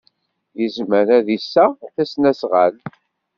Yezmer ad d-iseɣ tasnasɣalt.